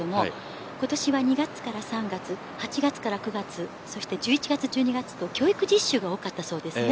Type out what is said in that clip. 今年は２月から３月８月から９月１１月１２月と教育実習が多かったそうです。